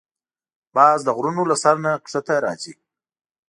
باز د غرونو له سر نه ښکته راځي